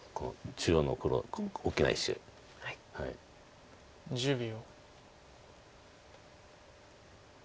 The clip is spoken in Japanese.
中央の黒大きな石。１０秒。